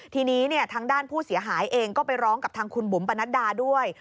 ทีนี้ทางด้านผู้เสียหายเองก็ไปร้องกับทางคุณบุ๋มปนัดดาด้วย